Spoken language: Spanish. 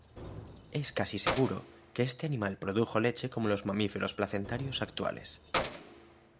Es casi seguro que este animal produjo leche como los mamíferos placentarios actuales.